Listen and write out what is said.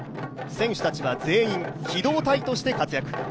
選手たちは全員、機動隊として活躍。